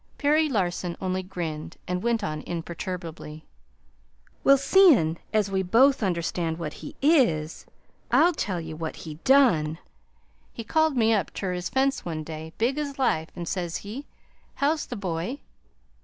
Perry Larson only grinned and went on imperturbably. "Well, seein' as we both understand what he is, I'll tell ye what he DONE. He called me up ter his fence one day, big as life, an' says he, 'How's the boy?'